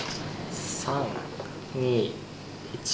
３２１。